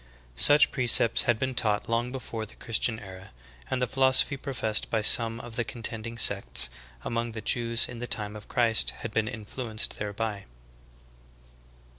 Such precepts had been taught long before the Christian era, and the philosophy professed by some of the contending sects among the Jews in the time of Christ had been influ enced thereby.